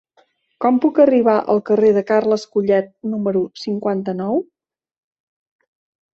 Com puc arribar al carrer de Carles Collet número cinquanta-nou?